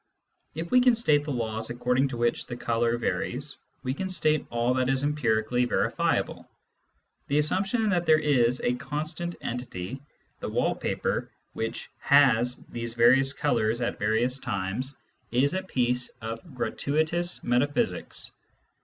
If we can state the laws according to which the colour varies, we can state all that is empirically verifiable ; the assump tion that there is a constant entity, the wall paper, which " has " these various colours at various times, is a piece of gratuitous metaphysics.